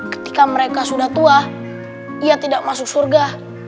ketika mereka sudah tua ia tidak masuk surga